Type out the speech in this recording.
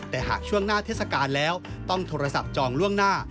แต่หากช่วงหน้าเทศกาลแล้วต้องโทรศัพท์จองล่วงหน้า